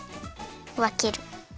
わける。